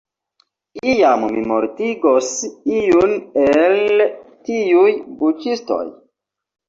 Iam, mi mortigos iun el tiuj buĉistoj.